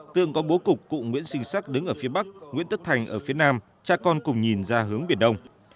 tường có bố cục cụ nguyễn sinh sắc đứng ở phía bắc nguyễn tất thành ở phía nam cha con cùng nhìn ra hướng biển đông